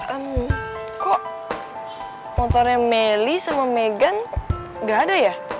emm kok motornya melly sama megan gak ada ya